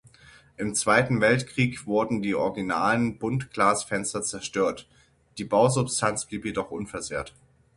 Im Zweiten Weltkrieg wurden die originalen Buntglasfenster zerstört, die Bausubstanz blieb jedoch unversehrt.